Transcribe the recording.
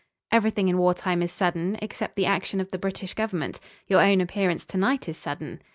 "Everything in war time is sudden except the action of the British Government. Your own appearance to night is sudden."